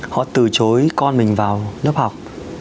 họ từ chối con mình vào lớp học